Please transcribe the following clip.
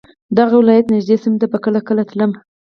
د دغه ولایت نږدې سیمو ته به کله کله تلم.